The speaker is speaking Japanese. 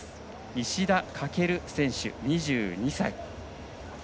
石田駆選手、２２歳。